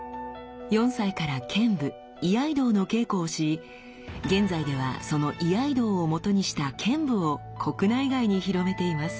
４歳から剣舞居合道の稽古をし現在ではその居合道をもとにした剣舞を国内外に広めています。